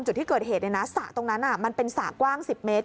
จุดที่เกิดเหตุสระตรงนั้นมันเป็นสระกว้าง๑๐เมตร